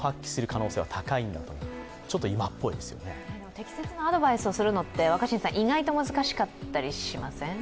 適切なアドバイスをするのって意外と難しかったりしません？